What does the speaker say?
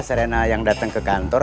serena yang datang ke kantor